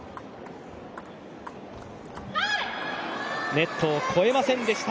ネットを越えませんでした。